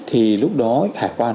thì lúc đó hải quan